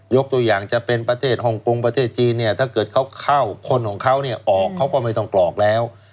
ยกตัวอย่างจะเป็นประเทศห่องกงประเทศจีนถ้าเขาเข้าคนของเขาออกเขาก็ไม่ต้องกรอกแล้ว